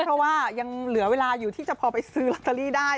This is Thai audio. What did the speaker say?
เพราะว่ายังเหลือเวลาอยู่ที่จะพอไปซื้อลอตเตอรี่ได้